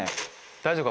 大丈夫か？